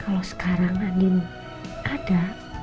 kalau sekarang andien ada